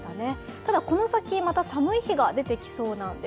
ただ、この先また寒い日が出てきそうです。